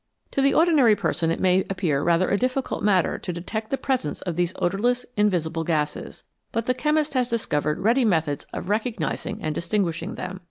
To the ordinary person it may appear rather a difficult matter to detect the presence of these odourless, invisible gases, but the chemist has discovered ready methods of recognising and distinguishing them.